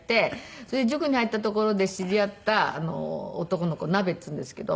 それで塾に入ったところで知り合った男の子ナベっていうんですけど。